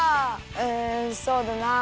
うんそうだなあ。